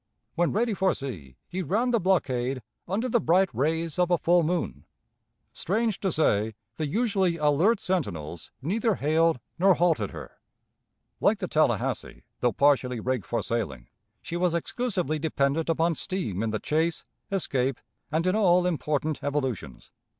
When ready for sea, he ran the blockade under the bright rays of a full moon. Strange to say, the usually alert sentinels neither hailed nor halted her. Like the Tallahassee, though partially rigged for sailing, she was exclusively dependent upon steam in the chase, escape, and in all important evolutions.